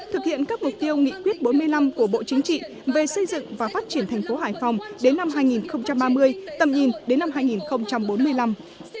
thực hiện các mục tiêu nghị quyết bốn mươi năm của bộ chính trị về xây dựng và phát triển thành phố hải phòng đến năm hai nghìn ba mươi tầm nhìn đến năm hai nghìn bốn mươi năm